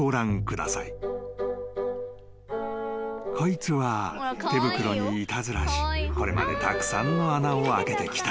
［こいつは手袋にいたずらしこれまでたくさんの穴を開けてきた］